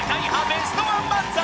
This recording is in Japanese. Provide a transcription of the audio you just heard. ベストワン漫才